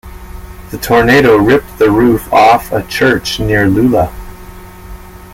The tornado ripped the roof off a church near Lula.